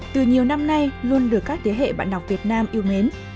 từ nhiều năm nay luôn được các thế hệ bạn đọc việt nam yêu mến